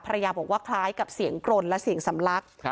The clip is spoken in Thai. ภรรยาบอกว่าคล้ายกับเสียงกรนและเสียงสำลัก